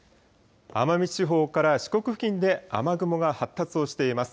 奄美地方から四国付近で雨雲が発達をしています。